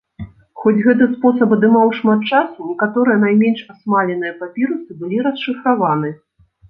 Хоць гэты спосаб адымаў шмат часу, некаторыя найменш асмаленыя папірусы былі расшыфраваны.